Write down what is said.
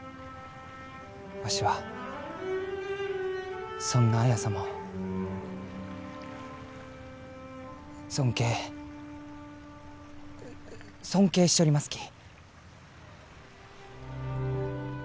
わしはそんな綾様を尊敬尊敬しちょりますき。